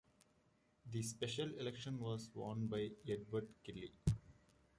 The special election was won by Edward Kelly.